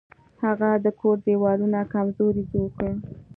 هغه د کور دیوالونه کمزوري جوړ کړل.